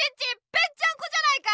ぺっちゃんこじゃないか！